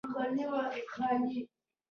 بالاکرزی صاحب له حج څخه تازه راغلی و.